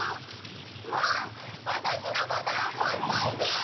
もうわたしのことはほっといて！